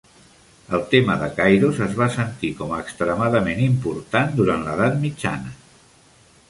El tema de Kairos es va sentir com a extremadament important durant l'edat mitjana.